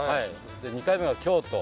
で２回目は京都。